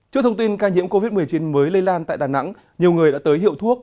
trước thông tin ca nhiễm covid một mươi chín mới lây lan tại đà nẵng nhiều người đã tới hiệu thuốc